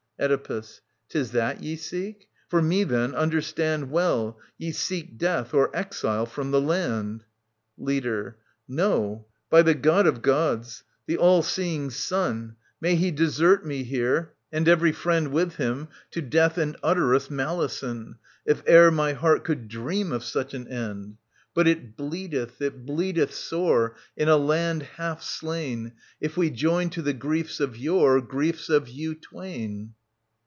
Oedipus. *Tis that ye seek ? For me, then ... understand Well ... ye seek death or exile from the land. Leader. No, by the God of Gods, the all seeing Sun I May he desert me here, and every friend With him, to death and utterest malison. If e'er my heart could dream of such an end I 38 TT. 665 680 OEDIPUS, KING OF THEBES But it bleedeth, it bleedcth sore, In a land half slain. If we join to the griefs of yore Griefs of you twain.